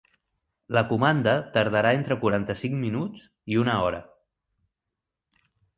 La comanda tardarà entre quaranta-cinc minuts i una hora.